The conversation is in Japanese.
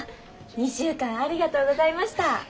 ２週間ありがとうございました。